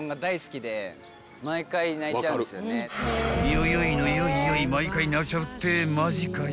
［よよいのよいよい毎回泣いちゃうってマジかよ］